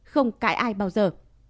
không cãi ai bao giờ